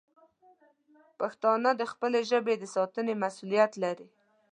پښتانه د خپلې ژبې د ساتنې مسوولیت لري.